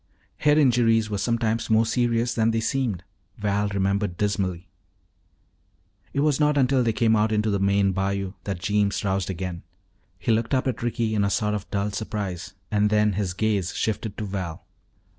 Head injuries were sometimes more serious than they seemed, Val remembered dismally. It was not until they came out into the main bayou that Jeems roused again. He looked up at Ricky in a sort of dull surprise, and then his gaze shifted to Val.